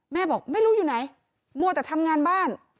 บอกไม่รู้อยู่ไหนมัวแต่ทำงานบ้าน